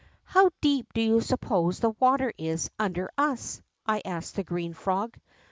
^ How deep do you suppose the water is under us ?' I asked the green frog.